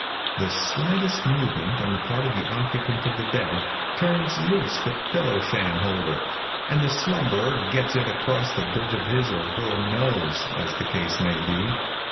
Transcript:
The slightest movement on the part of the occupant of the bed, turns loose the pillow sham holder, and the slumberer gets it across the bridge of his or her nose, as the case may be.